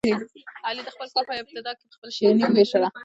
علي د خپل کور په ابتدا کې په خلکو شیریني ووېشله.